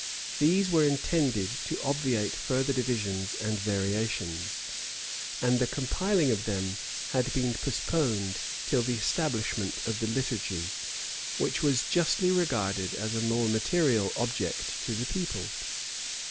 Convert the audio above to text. These were intended to obviate further divisions and variations; and the compiling of them had been postponed till the establishment of the liturgy, which was justly regarded as a more material object to the people.